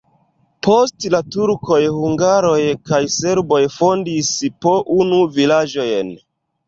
Post la turkoj hungaroj kaj serboj fondis po unu vilaĝojn.